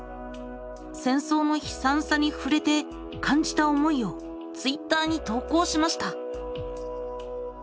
戦争の悲さんさにふれて感じた思いをＴｗｉｔｔｅｒに投稿しました。